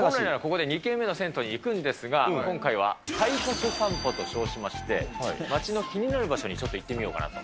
本来ならばここで２軒目の銭湯に行くんですが、今回は体格さんぽと称しまして、街の気になる場所にちょっと行ってみようかなと。